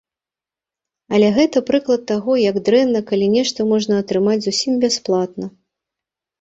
Але гэта прыклад таго, як дрэнна, калі нешта можна атрымаць зусім бясплатна.